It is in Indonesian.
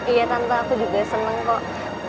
iya tante aku juga seneng kok